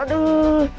aduh aduh aduh